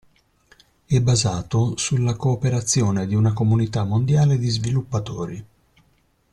È basato sulla cooperazione di una comunità mondiale di sviluppatori.